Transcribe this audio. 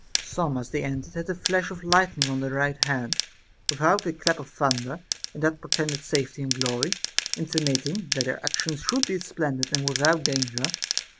Some as they entered had a flash of lightning on their right hand, without a clap of thunder, and that portended safety and glory ; intimating that their actions should be splendid and without danger.